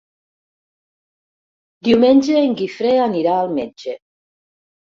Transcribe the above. Diumenge en Guifré anirà al metge.